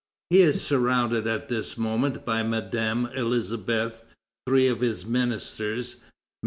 He is surrounded at this moment by Madame Elisabeth, three of his ministers (MM.